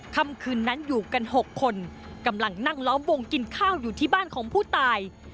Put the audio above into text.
คำคืนนั้นอยู่กัน๖คนกำลังนั่งล้อมวงกินข้าวอยู่ที่บ้านของผู้ตาย